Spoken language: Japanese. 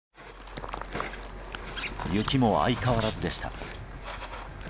雪も相変わらずでした。